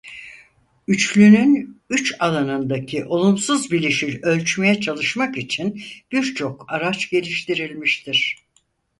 Üçlünün üç alanındaki olumsuz bilişi ölçmeye çalışmak için birçok araç geliştirilmiştir.